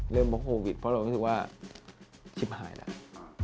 เพราะโควิดเพราะเรารู้สึกว่าชิปหายแล้ว